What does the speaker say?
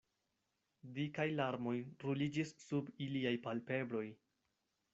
Dikaj larmoj ruliĝis sub iliaj palpebroj.